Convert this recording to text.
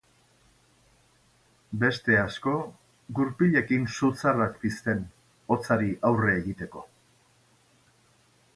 Beste asko gurpilekin sutzarrak pizten, hotzari aurre egiteko.